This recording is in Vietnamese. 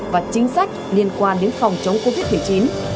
và chính sách liên quan đến phòng chống covid một mươi chín